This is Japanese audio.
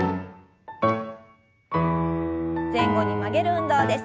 前後に曲げる運動です。